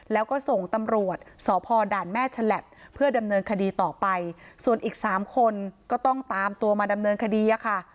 แล้วก็ส่งตำรวจสพด่านแม่ฉลับเพื่อดำเนินคดีต่อไปส่วนอีกสามคนก็ต้องตามตัวมาดำเนินคดีอะค่ะ